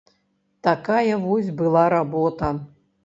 Такая вось была работа.